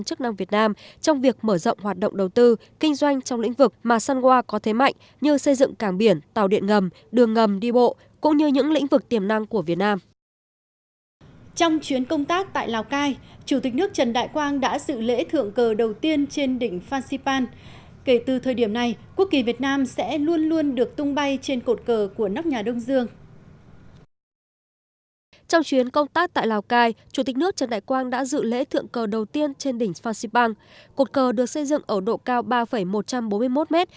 cột cờ được xây dựng ở độ cao ba một trăm bốn mươi một mét với tổng chiều cao hai mươi năm mét